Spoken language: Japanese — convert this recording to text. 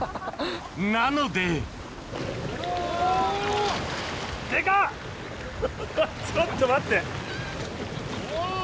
なのでちょっと待って。